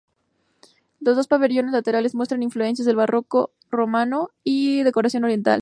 Los dos pabellones laterales muestran influencias del barroco romano y decoración oriental.